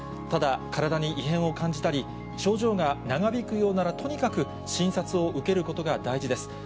ただ、体に異変を感じたり、症状が長引くようなら、とにかく診察を受けることが大事です。